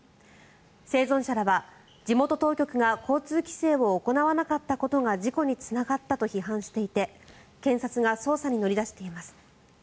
生存者らは地元当局が交通規制を行わなかったことが事故につながったと批判していて検察が捜査に乗り出しています。